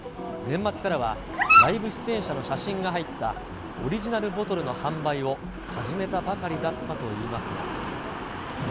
年末からは、ライブ出演者の写真が入ったオリジナルボトルの販売を始めたばかりだったといいますが。